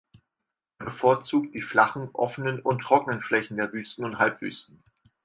Er bevorzugt die flachen, offenen und trockenen Flächen der Wüsten und Halbwüsten.